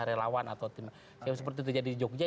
relawan atau seperti itu jadi di jogja